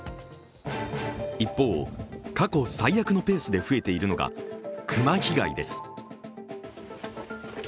一方、過去最悪のペースで増えているのが熊被害です。